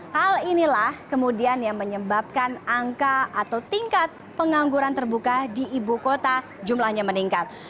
hal inilah kemudian yang menyebabkan angka atau tingkat pengangguran terbuka di ibu kota jumlahnya meningkat